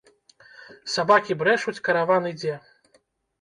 Сабакі брэшуць, караван ідзе!